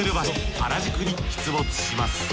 原宿に出没します。